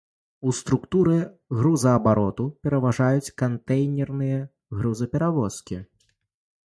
У структуры грузаабароту пераважаюць кантэйнерныя грузаперавозкі.